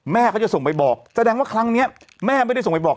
แม่เขาจะส่งไปบอกแสดงว่าครั้งนี้แม่ไม่ได้ส่งไปบอก